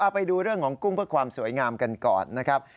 ไปดูเรื่องของกุ้งเพื่อความสวยงามกันก่อนนะครับ